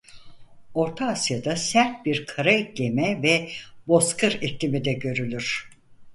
Orta Asya'da sert bir kara iklimi ve bozkır iklimi de görülür.